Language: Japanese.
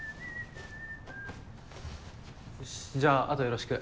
よしじゃああとよろしく。